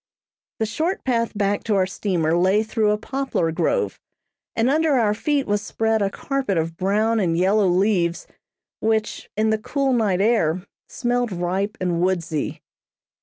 The short path back to our steamer lay through a poplar grove, and under our feet was spread a carpet of brown and yellow leaves, which, in the cool night air, smelled ripe and woodsy.